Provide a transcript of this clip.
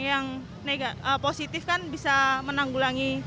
yang positif kan bisa menanggulangi